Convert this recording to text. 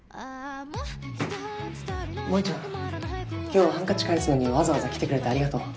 萌ちゃん今日はハンカチ返すのにわざわざ来てくれてありがとう。